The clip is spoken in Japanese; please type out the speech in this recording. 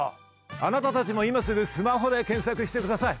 あなたたちも今すぐスマホで検索してください。